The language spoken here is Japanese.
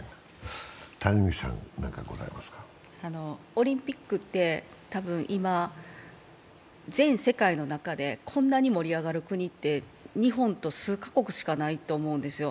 オリンピックって、今全世界の中で、こんなに盛り上がる気には日本と数か国しかないと思うんですよ。